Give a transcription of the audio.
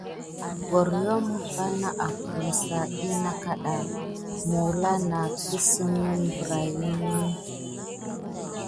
Goryom miɓanà aprisa ɗi nà na kaɗa kulin nà kinsé berinie.